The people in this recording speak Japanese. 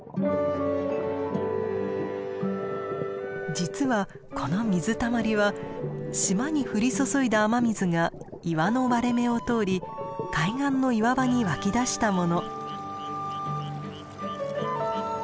実はこの水たまりは島に降り注いだ雨水が岩の割れ目を通り海岸の岩場に湧き出したもの。